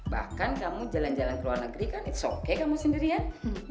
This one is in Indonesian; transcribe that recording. bahkan kamu jalan jalan ke luar negeri kan it's okay kamu sendirian